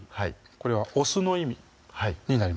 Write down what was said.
これはお酢の意味になります